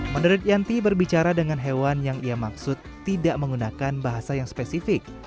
menurut yanti berbicara dengan hewan yang ia maksud tidak menggunakan bahasa yang spesifik